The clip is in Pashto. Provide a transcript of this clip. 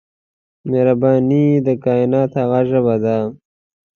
مهرباني د کائنات هغه ژبه ده.